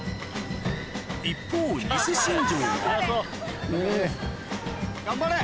一方ニセ新庄は頑張れ！